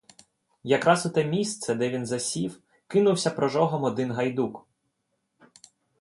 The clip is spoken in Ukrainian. Якраз у те місце, де він засів, кинувся прожогом один гайдук.